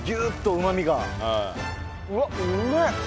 うわっうめえ！